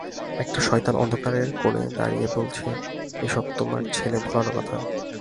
একটা শয়তান অন্ধকারের কোণে দাঁড়িয়ে বলছে, এ-সব তোমার ছেলে-ভোলানো কথা!